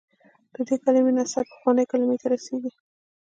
د دې کلمې نسب پخوانۍ کلمې ته رسېږي.